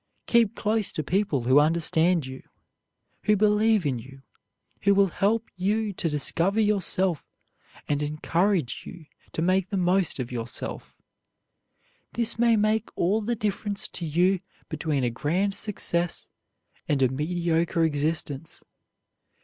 Keep close to people who understand you, who believe in you, who will help you to discover yourself and encourage you to make the most of yourself. This may make all the difference to you between a grand success and a mediocre existence.